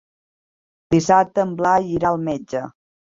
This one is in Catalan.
Dissabte en Blai irà al metge.